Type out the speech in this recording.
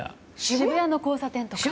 渋谷の交差点とか。